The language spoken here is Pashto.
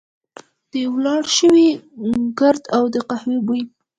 د را ولاړ شوي ګرد او د قهوې بوی.